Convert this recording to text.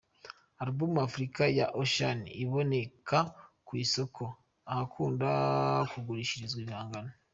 Alubumu Africa ya The Ocean iboneka ku isoko ahakunda kugurishirizwa ibihangano.